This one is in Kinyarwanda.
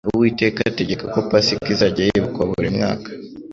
Uwiteka ategeka ko Pasika izajya yibukwa buri mwaka.